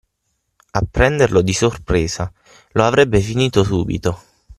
A prenderlo di sorpresa, lo avrebbe finito subito.